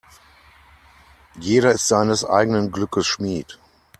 Jeder ist seines eigenen Glückes Schmied.